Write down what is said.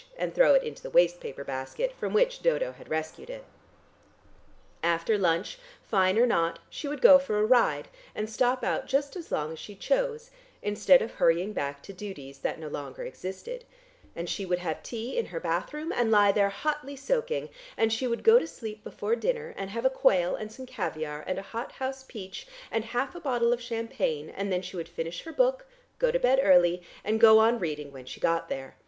and throw it into the waste paper basket, from which Dodo had rescued it. After lunch, fine or not, she would go for a ride, and stop out just as long as she chose, instead of hurrying back to duties that no longer existed, and she would have tea in her bathroom, and lie there hotly soaking, and she would go to sleep before dinner, and have a quail and some caviare and a hot house peach and half a bottle of champagne and then she would finish her book, go to bed early and go on reading when she got there.